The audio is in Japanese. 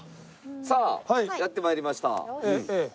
さあやって参りました。